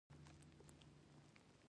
غوماشې ډېر ژر تولیدېږي.